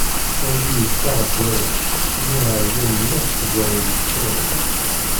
Ayagi yeffeɣ ɣef warrac, imi εyan mliḥ seg wahil yeččuṛen.